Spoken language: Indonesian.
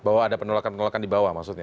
bahwa ada penolakan penolakan di bawah maksudnya